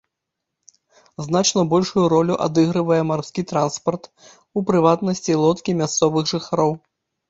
Значна большую ролю адыгрывае марскі транспарт, у прыватнасці лодкі мясцовых жыхароў.